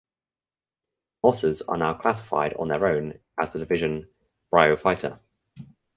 Mosses are now classified on their own as the division Bryophyta.